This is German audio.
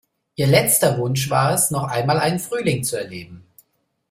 Ihr letzter Wunsch war es, noch einmal einen Frühling zu erleben.